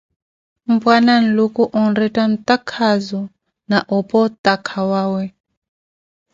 Mpwanaawo Nluku, onretta antakhaazo, na opo otakhawawe.